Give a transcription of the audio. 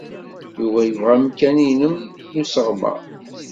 Yuba yebɣa amkan-nnem n usseɣmer.